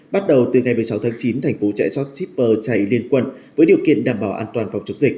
bắt đầu từ ngày một mươi sáu tháng chín thành phố chạy sát shipper chạy liên quận với điều kiện đảm bảo an toàn phòng chống dịch